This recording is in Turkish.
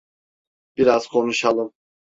Biraz konuşalım.